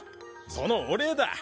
そのお礼だ。